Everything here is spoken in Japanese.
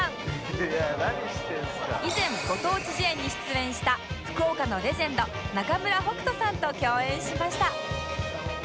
以前「ご当地 Ｊ」に出演した福岡のレジェンド中村北斗さんと共演しました